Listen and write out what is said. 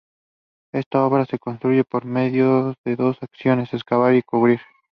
Esta obra se construye por medio de dos acciones: excavar y cubrir.